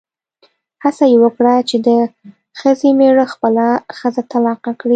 هڅه یې وکړه چې د ښځې مېړه خپله ښځه طلاقه کړي.